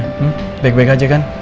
hmm baik baik aja kan